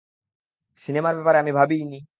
সিনেমার ব্যাপারে আমি ভাবিইনি!